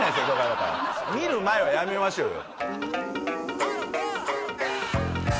だから見る前はやめましょうよ